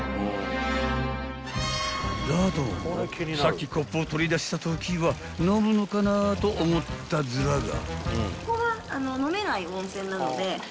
［だどもさっきコップを取り出したときは飲むのかなと思ったずらが］